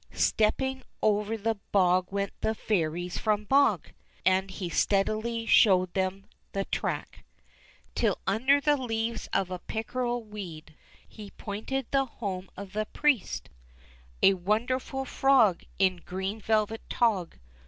Stepping over the bog went the fairies from Mogg, And he steadily showed them the track, Till under the leaves of a pickerel weed He pointed the home of the priest — A wonderful frog, in green velvet tog.